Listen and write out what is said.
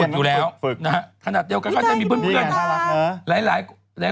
อยู่แล้วขนาดเดียวกันค่อนหน้าก็จะมีเพื่อนเพื่อน